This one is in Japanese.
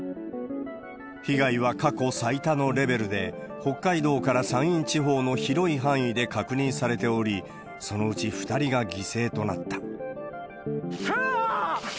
被害は過去最多のレベルで、北海道から山陰地方の広い範囲で確認されており、そのうち２人が犠牲となった。